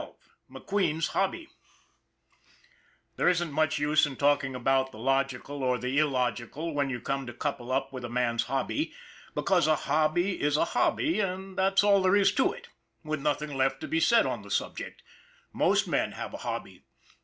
XII McQUEEN'S HOBBY THERE isn't much use in talking about the logical or the illogical when you come to couple up with a man's hobby, because a hobby is a hobby and that's all there is to it with nothing left to be said on the sub ject. Most men have a hobby.